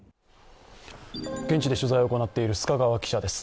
現地で取材を行っている須賀川記者です。